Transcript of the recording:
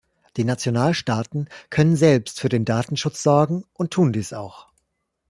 Die Nationalstaaten können selbst für den Datenschutz sorgen und tun dies auch.